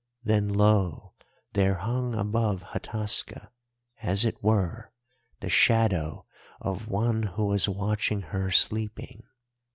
Then lo, there hung above Hataska, as it were, the shadow of one who was watching her sleeping.